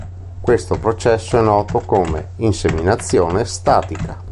Questo processo è noto come “inseminazione statica”.